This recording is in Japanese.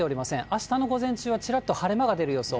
あしたの午前中はちらっと晴れ間が出る予想。